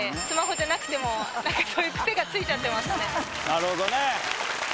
なるほどね。